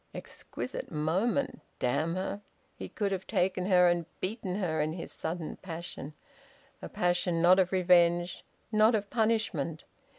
Exquisite moment! Damn her! He could have taken her and beaten her in his sudden passion a passion not of revenge, not of punishment!